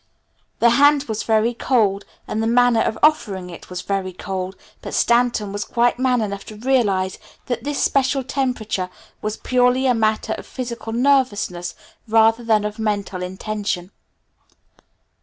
The hand was very cold, and the manner of offering it was very cold, but Stanton was quite man enough to realize that this special temperature was purely a matter of physical nervousness rather than of mental intention.